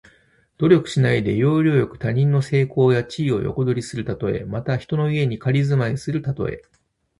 努力しないで、要領よく他人の成功や地位を横取りするたとえ。また、人の家に仮住まいするたとえ。